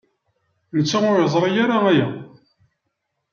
Netta ur yeẓri ara aya.